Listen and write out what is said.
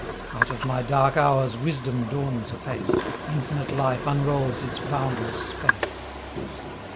Out of my dark hours wisdom dawns apace. Infinite Life unrolls its boundless space